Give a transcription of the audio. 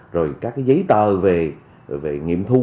rồi các cái giấy tờ về nghiệm thu